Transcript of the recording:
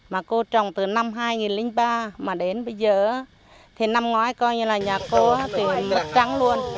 mà cô trồng từ năm hai nghìn ba mà đến bây giờ thì năm ngoái coi như là nhà cô thì mực trắng luôn